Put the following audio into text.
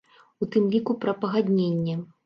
У тым ліку пра пагадненне.